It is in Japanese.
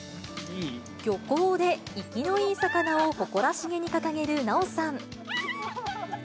漁港で生きのいい魚を誇らしげにかかげる奈緒さん。